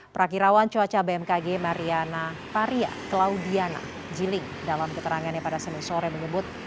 perakirawan cuaca bmkg mariana paria claudiana jiling dalam keterangannya pada senin sore menyebut